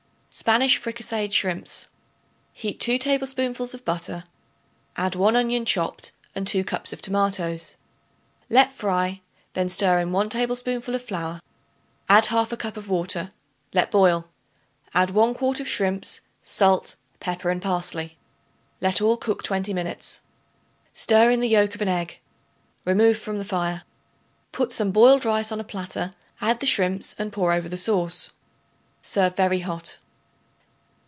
Spanish Fricasseed Shrimps. Heat 2 tablespoonfuls of butter; add 1 onion chopped and 2 cups of tomatoes. Let fry; then stir in 1 tablespoonful of flour; add 1/2 cup of water; let boil; add 1 quart of shrimps, salt, pepper and parsley. Let all cook twenty minutes. Stir in the yolk of an egg. Remove from the fire. Put some boiled rice on a platter; add the shrimps and pour over the sauce. Serve very hot.